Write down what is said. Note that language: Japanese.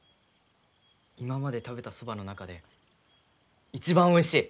今まで食べたそばの中で一番おいしい！